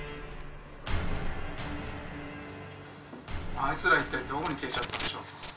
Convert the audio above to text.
「あいつら一体どこに消えちゃったんでしょうか？」